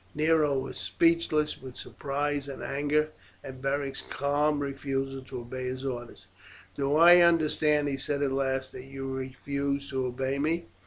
Nero was speechless with surprise and anger at Beric's calm refusal to obey his orders. "Do I understand," he said at last, "that you refuse to obey me?"